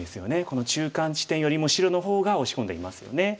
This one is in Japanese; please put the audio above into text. この中間地点よりも白の方が押し込んでいますよね。